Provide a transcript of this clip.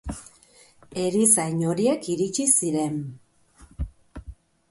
Erizain horiek iritsi ziren.